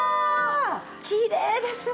きれいですね。